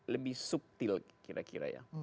lebih subtil kira kira ya